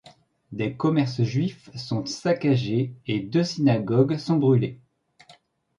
Des commerces juifs sont saccagés et deux synagogues sont brûlées.